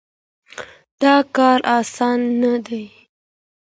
دا کار اسانه نه دی.